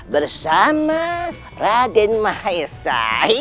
bersama raden mahesa